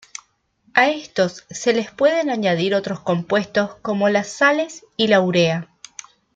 A estos se les pueden añadir otros compuestos como las sales y la urea.